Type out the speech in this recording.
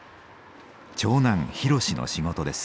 長男博の仕事です。